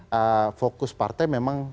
karena fokus partai memang